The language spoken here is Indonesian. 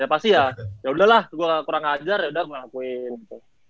ya pasti ya yaudah lah gue kurang ajar yaudah gue ngelakuin